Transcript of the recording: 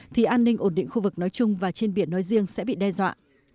thì an ninh ổn định khu vực nói chung và trên biển nói riêng sẽ bị đe dọa